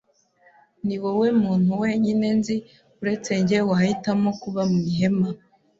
Niwowe muntu wenyine nzi uretse njye wahitamo kuba mu ihema.